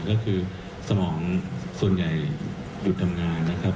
ก็คือสมองส่วนใหญ่หยุดทำงานนะครับ